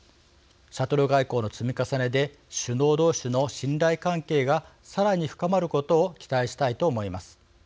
シャトル外交の積み重ねで首脳同士の信頼関係がさらに深まることを期待したいと思います。